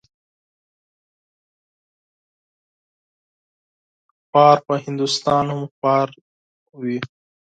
خوار په هندوستان هم خوار وي.